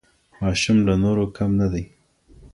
ماشوم له نورو کم نه دی.